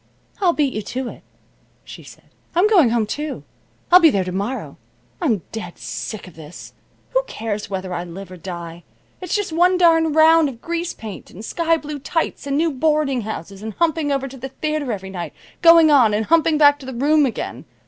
"I'll beat you to it," she said. "I'm going home, too. I'll be there to morrow. I'm dead sick of this. Who cares whether I live or die? It's just one darned round of grease paint, and sky blue tights, and new boarding houses and humping over to the theater every night, going on, and humping back to the room again.